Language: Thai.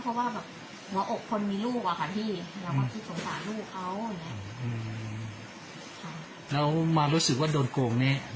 เพราะว่าแบบหัวอกคนมีลูกอะค่ะพี่เราก็คิดสงสารลูกเขาอย่างเงี้ยอืมค่ะแล้วมารู้สึกว่าโดนโกงแน่